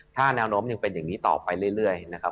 ถ้าแนวโน้มยังเป็นอย่างนี้ต่อไปเรื่อยนะครับ